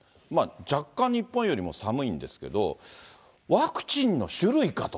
若干、日本よりも寒いんですけど、ワクチンの種類かと。